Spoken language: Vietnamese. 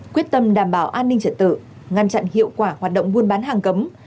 quyết tâm đảm bảo an ninh trật tự ngăn chặn hiệu quả hoạt động buôn bán hàng cấm